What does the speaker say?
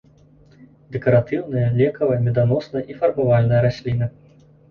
Дэкаратыўная, лекавая, меданосная і фарбавальная расліна.